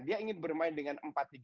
dia ingin bermain dengan empat tiga